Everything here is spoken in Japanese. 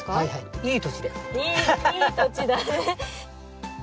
いい土地だね。